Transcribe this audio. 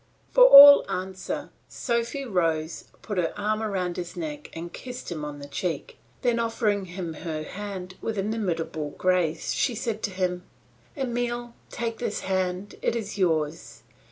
For all answer, Sophy rose, put her arm round his neck, and kissed him on the cheek; then offering him her hand with inimitable grace she said to him, "Emile, take this hand; it is yours.